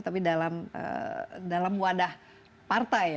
tapi dalam wadah partai ya